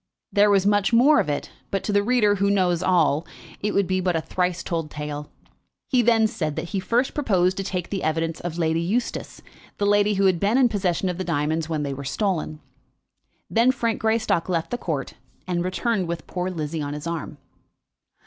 There was much more of it; but to the reader, who knows it all, it would be but a thrice told tale. He then said that he first proposed to take the evidence of Lady Eustace, the lady who had been in possession of the diamonds when they were stolen. Then Frank Greystock left the court, and returned with poor Lizzie on his arm.